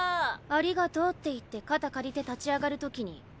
「ありがとう」って言って肩借りて立ち上がるときにガバッとさ。